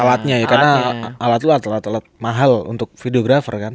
alatnya ya karena alat itu alat alat mahal untuk videographer kan